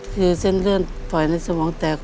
คือเส้นเลือดฝอยในสมองแตก